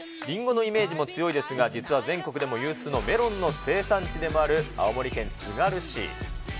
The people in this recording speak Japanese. りんごのイメージも強いですが、実は全国でも有数のメロンの生産地でもある青森県つがる市。